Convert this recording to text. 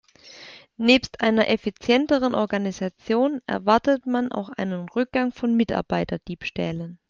Nebst einer effizienteren Organisation erwartet man auch einen Rückgang von Mitarbeiterdiebstählen.